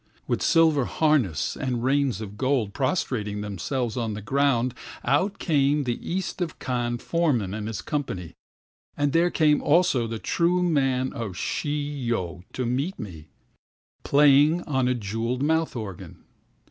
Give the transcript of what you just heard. With silver harness and reins of gold, prostrating themselves on the ground, Out came the East of Kan foreman and his company; And there came also the "True man" of Shi yo to meet me, Playing on a jewelled mouth organ.